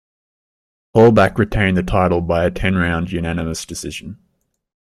Hallback retained the title by a ten round unanimous decision.